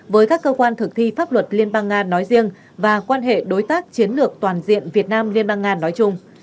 với các cơ quan thực thi pháp luật liên bang nga nói riêng và quan hệ đối tác chiến lược toàn diện việt nam liên bang nga nói chung